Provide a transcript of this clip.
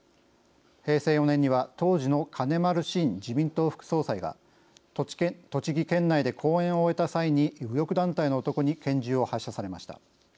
平成４年には当時の金丸信自民党副総裁が栃木県内で講演を終えた際に右翼団体の男に拳銃を発射されました。